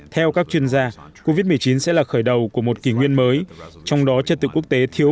theo các chuyên gia covid một mươi chín sẽ là khởi đầu của một kỷ nguyên mới trong đó chất tự quốc tế thiếu